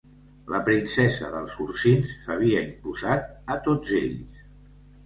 La Princesa dels Ursins s'havia imposat a tots ells.